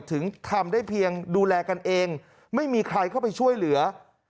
ถึงทำได้เพียงดูแลกันเองไม่มีใครเข้าไปช่วยเหลือ